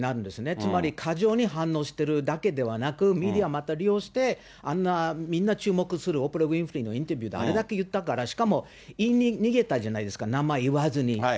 つまり、過剰に反応してるだけではなく、メディアをまた利用して、あんな、みんな注目するオプラ・ウィンフリーのインタビューであれだけ言ったから、しかも、逃げたじゃないですか、名前言わずに。